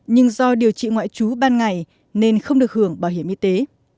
nhưng do điều trị ngoại trú ban ngày nên không được hưởng bảo hiểm y tế